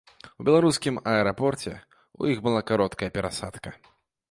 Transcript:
У беларускім аэрапорце ў іх была кароткая перасадка.